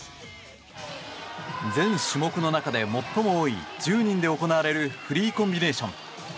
全種目の中で最も多い１０人で行われるフリーコンビネーション。